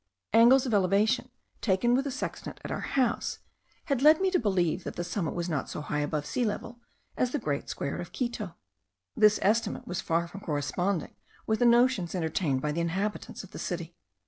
Angles of elevation, taken with the sextant at our house, had led me to believe that the summit was not so high above sea level as the great square of Quito. This estimate was far from corresponding with the notions entertained by the inhabitants of the city.